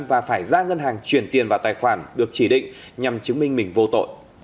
và phải ra ngân hàng chuyển tiền vào tài khoản được chỉ định nhằm chứng minh mình vô tội